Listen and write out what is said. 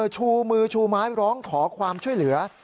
ชูมือชูไม้ร้องขอความช่วยเหลือ